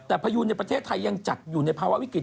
แต่พยูนในประเทศไทยยังจัดอยู่ในภาวะวิกฤต